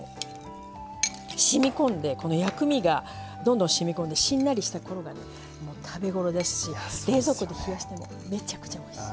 しみ込んでこの薬味がどんどんしみ込んでしんなりした頃がね食べ頃ですし冷蔵庫で冷やしてもめちゃくちゃおいしい。